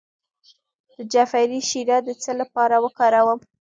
د جعفری شیره د څه لپاره وکاروم؟